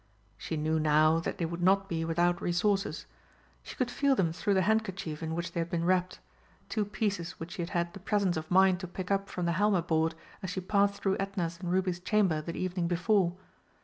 She knew now that they would not be without resources. She could feel them through the handkerchief in which they had been wrapped two pieces which she had had the presence of mind to pick up from the Halma board as she passed through Edna's and Ruby's chamber the evening before.